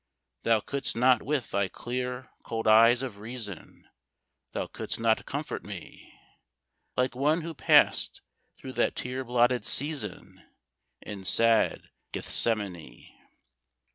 Thou couldst not with thy clear, cold eyes of reason, Thou couldst not comfort me Like one who passed through that tear blotted season, In sad Gethsemane!